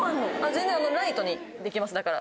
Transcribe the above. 全然ライトにできますだから。